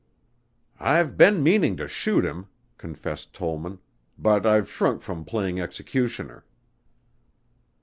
"I've been meaning to shoot him," confessed Tollman, "but I've shrunk from playing executioner."